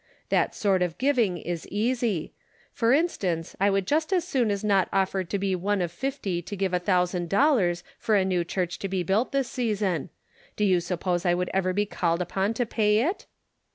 That sort of giving is easy ; for instance, I would just as soon as not offer to be one of fifty to give a thousand dollars for a new church to be built this season. Do you suppose I would ever be called upon to pay it?"